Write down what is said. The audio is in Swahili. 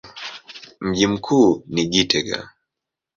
Mji mkuu ni Gitega.